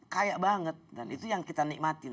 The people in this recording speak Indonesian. kaya banget dan itu yang kita nikmatin